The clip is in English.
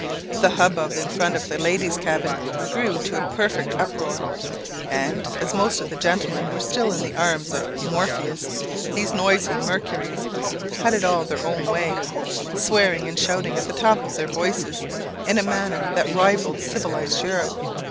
The hubbub in front of the ladies' cabin grew to a perfect uproar; and, as most of the gentlemen were still in the arms of Morpheus, these noisy Mercuries had it all their own way swearing and shouting at the top of their voices, in a manner that rivalled civilized Europe.